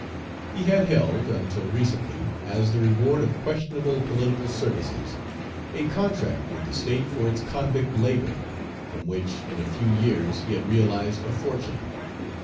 He had held, until recently, as the reward of questionable political services, a contract with the State for its convict labor, from which in a few years he had realized a fortune.